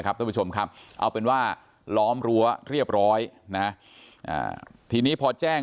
ท่านผู้ชมครับเอาเป็นว่าล้อมรั้วเรียบร้อยนะทีนี้พอแจ้ง